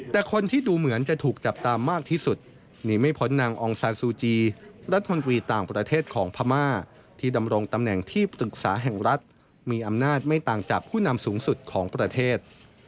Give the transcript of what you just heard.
แต่คนที่ดูเหมือนจะถูกจับตามมากที่สุดหนีไม่พ้นนางองซาซูจีรัฐมนตรีต่างประเทศของพม่าที่ดำรงตำแหน่งที่ปรึกษาแห่งรัฐมีอำนาจไม่ต่างจากผู้นำสูงสุดของประเทศ